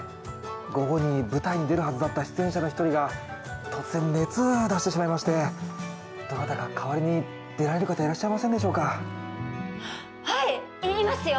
午後に舞台に出るはずだった出演者の一人が突然熱を出してしまいましてどなたか代わりに出られる方いらっしゃいませんでしょうかはいっいますよ